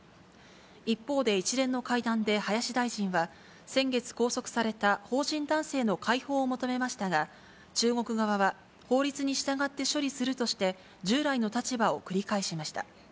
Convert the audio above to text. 一方で一連の会談で林大臣は、先月拘束された邦人男性の解放を求めましたが、中国側は、法律に従って処理するとして、従来の立場を繰り返しました。